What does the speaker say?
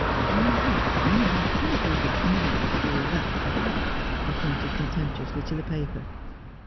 "Oh, nothing. A little black and white for that thing," he pointed contemptuously to the paper.